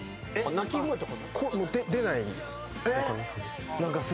鳴き声とか。